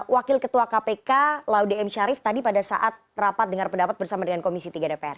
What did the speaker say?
wakil ketua kpk laude m syarif tadi pada saat rapat dengan pendapat bersama dengan komisi tiga dpr